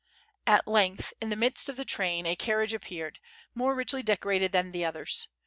At lergth in the midst of the train a carriage appeared, more richly decorated th an the others.